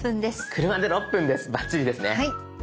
車で６分ですバッチリですね。